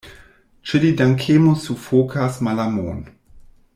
Ĉe li dankemo sufokas malamon.